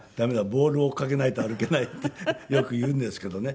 ボールを追っかけないと歩けない」ってよく言うんですけどね。